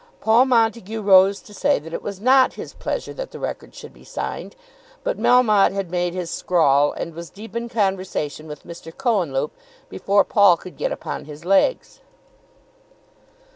Paul Montague rose to say that it was not his pleasure that the record should be signed. But Melmotte had made his scrawl, and was deep in conversation with Mr. Cohenlupe before Paul could get upon his legs.